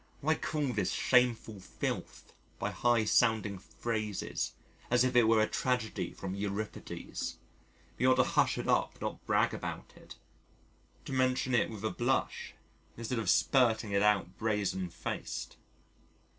Why call this shameful Filth by high sounding phrases as if it were a tragedy from Euripides? We ought to hush it up, not brag about it, to mention it with a blush instead of spurting it out brazen faced.